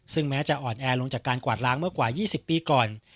ซึ่งแม้จะอ่อนแอลงจากการกวาดล้างเมื่อกว่า๒๐ปีก่อน